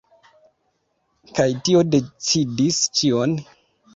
Kaj tio decidis ĉion.